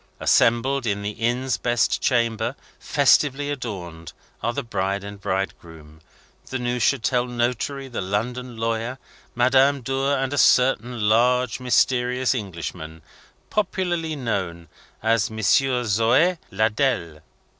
Assembled in the Inn's best chamber, festively adorned, are the bride and bridegroom, the Neuchatel notary, the London lawyer, Madame Dor, and a certain large mysterious Englishman, popularly known as Monsieur Zhoe Ladelle.